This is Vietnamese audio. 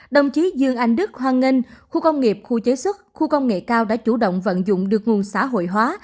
đồng chí dương anh đức hoan nghênh khu công nghiệp khu chế xuất khu công nghệ cao đã chủ động vận dụng được nguồn xã hội hóa